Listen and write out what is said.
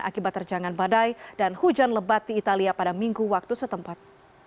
akibat terjangan badai dan hujan lebat di italia pada minggu waktu setempat